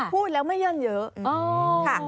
พูดแล้วไม่ยั่นเยอะ